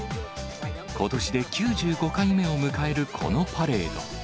ことしで９５回目を迎えるこのパレード。